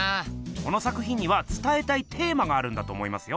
この作品にはつたえたいテーマがあるんだと思いますよ。